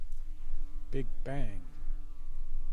Big Bang!